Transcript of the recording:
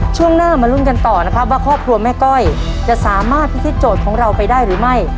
ช่วงหน้ามาลุ้นกันต่อนะครับว่าครอบครัวแม่ก้อยจะสามารถพิธีโจทย์ของเราไปได้หรือไม่